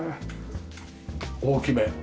大きめ。